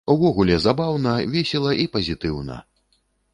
Увогуле забаўна, весела і пазітыўна!